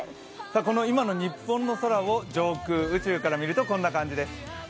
今の日本の空を上空、宇宙から見るとこんな感じです。